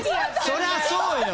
そりゃそうよ！